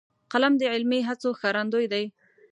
قلم د علمي هڅو ښکارندوی دی